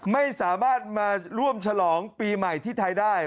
ไม่สามารถมาร่วมฉลองปีใหม่ที่ไทยได้